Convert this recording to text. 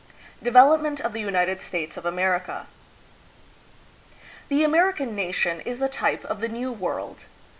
Development of the United States of America. The American nation is the type of the New World.